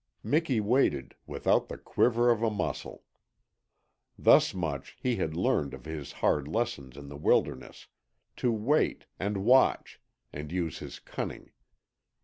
Miki waited, without the quiver of a muscle. Thus much he had learned of his hard lessons in the wilderness to wait, and watch, and use his cunning.